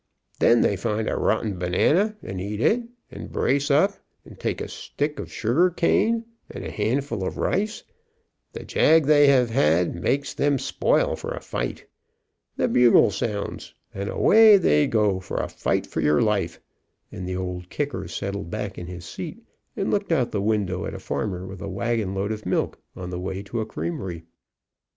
Then they find a rotten banana, and eat it, and brace up, take a stick of sugar cane and a handful of rice, the jag they have had makes them spoil for a fight, the bugle sounds and 184 THE OLD KICKER KICKS away they go for a fight for your life," and the Old Kicker settled back in his seat and looked out the window at a farmer with a wagon load of milk on the way to a creamery.